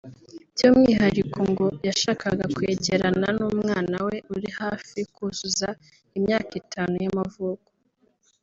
By’umwihariko ngo yashakaga kwegerana n’umwana we uri hafi kuzuza imyaka itanu y’amavuko